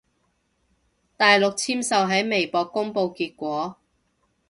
大陸簽售喺微博公佈結果